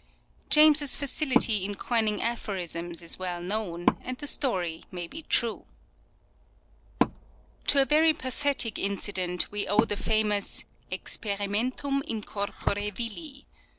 James's facility in coining aphorisms is well known, and the story may be true. To a very pathetic incident we owe the famous " Experimentum in corpore vili."